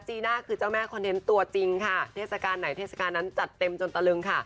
น่าคือเจ้าแม่คอนเทนต์ตัวจริงค่ะเทศกาลไหนเทศกาลนั้นจัดเต็มจนตะลึงค่ะ